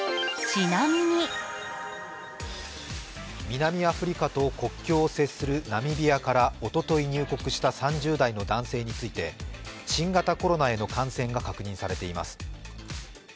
南アフリカと国境を接するナミビアからおととい入国した３０代の男性について新型コロナへの感染が確認されています。